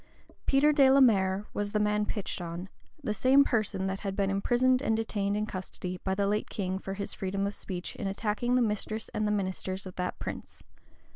Peter de la Mare was the man pitched on; the same person that had been imprisoned and detained in custody by the late king for his freedom of speech, in attacking the mistress and the ministers of that prince.